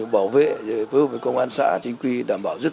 bảo vệ với công an xã chính quy đảm bảo rất tốt